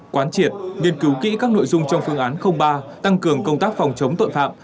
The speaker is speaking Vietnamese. quán triệt nghiên cứu kỹ các nội dung trong phương án ba tăng cường công tác phòng chống tội phạm